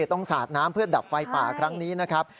สาดน้ำเพื่อดับไฟป่าครั้งนี้นะครับ